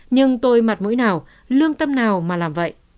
nhưng tôi mặt mũi nào lương tâm nào mà làm vậy